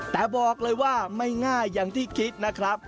แต่บอกเลยว่าไม่ง่ายอย่างที่คิดนะครับ